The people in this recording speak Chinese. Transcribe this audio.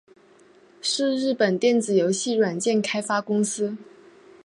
是日本电子游戏软体开发公司。